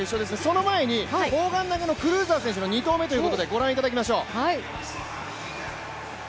その前に砲丸投げのクルーザー選手の２投目ということでご覧いただきましょう。